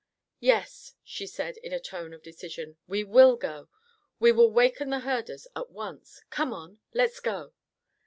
"Yes," she said in a tone of decision, "we will go. We will waken the herders at once. Come on, let's go."